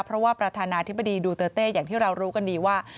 เพราะว่าประธานาธิบดีดูเตอร์เต้อย่างที่เรารู้กันดีว่า